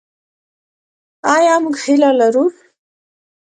آیا موږ هیله لرو؟